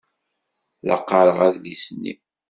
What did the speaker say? La qqareɣ adlis-nni.